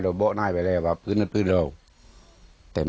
สำหรับพื้นเรา